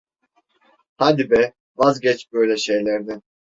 Hadi be, vazgeç böyle şeylerden.